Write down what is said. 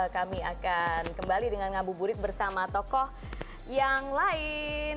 kami akan kembali dengan ngabuburit bersama tokoh yang lain